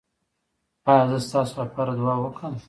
ایا زه ستاسو لپاره دعا وکړم؟